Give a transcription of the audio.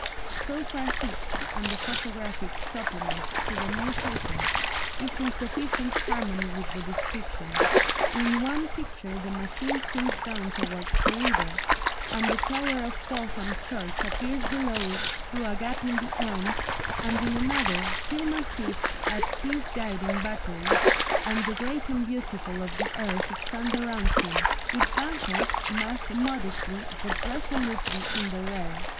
So far Hicks, and the photographic supplement to the New Paper is in sufficient harmony with the description. In one picture the machine swings down towards the river, and the tower of Fulham church appears below it through a gap in the elms, and in another, Filmer sits at his guiding batteries, and the great and beautiful of the earth stand around him, with Banghurst massed modestly but resolutely in the rear.